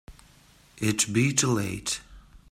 It'd be too late.